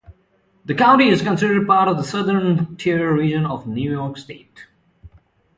The county is considered part of the Southern Tier region of New York State.